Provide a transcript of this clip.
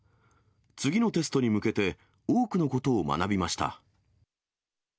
次のテストに向けて、多くのことを学びました。